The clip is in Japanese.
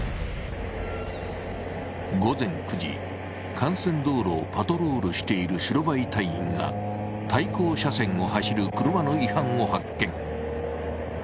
幹線道路をパトロールしている白バイ隊員が対向車線を走る車の違反を発見。